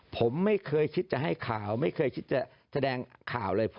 ผมไม่เคยคิดจะให้ข่าวไม่เคยคิดจะแสดงข่าวเลย